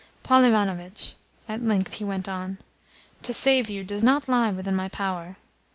"Paul Ivanovitch," at length he went on, "to save you does not lie within my power.